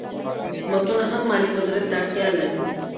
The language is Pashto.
حکومتونه هم مالي مدیریت ته اړتیا لري.